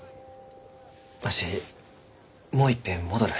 わしもういっぺん戻る。